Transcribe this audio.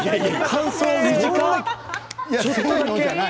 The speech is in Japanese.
感想短い。